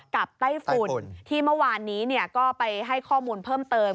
ไต้ฝุ่นที่เมื่อวานนี้ก็ไปให้ข้อมูลเพิ่มเติม